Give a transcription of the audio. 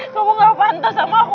kamu gak pantas sama aku